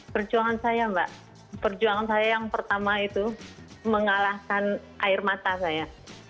perjuangan saya mbak perjuangan saya yang pertama itu mengalahkan air mata saya